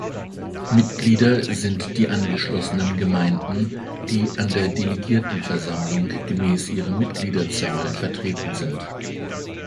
Mitglieder sind die angeschlossenen Gemeinden, die an der Delegiertenversammlung gemäss ihrer Mitgliederzahl vertreten sind.